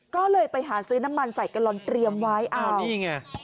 ก็เลยไปหาซื้อน้ำมันใส่กะลอนเตรียมไว้อ้าวนี่ไง